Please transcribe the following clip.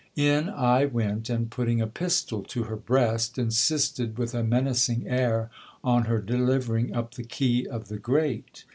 In I went, and putting a pistol to her breast, insisted with a menacing air on her delivering up the key of the grate.